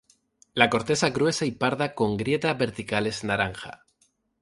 La corteza es gruesa y parda con grietas verticales naranja.